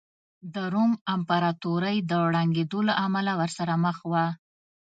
د روم امپراتورۍ د ړنګېدو له امله ورسره مخ وه